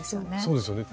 そうですよね。